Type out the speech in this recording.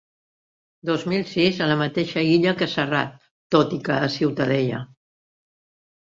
Dos mil sis a la mateixa illa que Serrat, tot i que a Ciutadella.